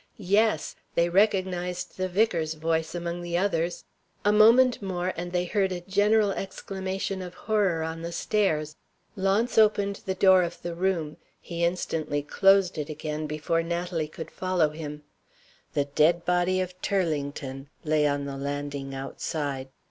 Yes! They recognized the vicar's voice among the others. A moment more, and they heard a general exclamation of horror on the stairs. Launce opened the door of the room. He instantly closed it again before Natalie could follow him. The dead body of Turlington lay on the landing outside.